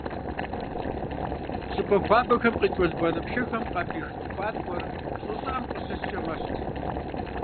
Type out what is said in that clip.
ЩӀыпӀэ хуабэхэм къикӀ уэлбанэ пшэхэм къапих ткӀуаткӀуэр щӀы щӀыӀэм къыщыскӀэ мэщт.